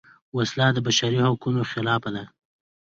وسله د بشري حقونو خلاف ده